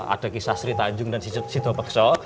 ada kisah sri tanjung dan sido pekso